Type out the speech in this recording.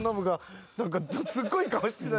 すっごい顔してた。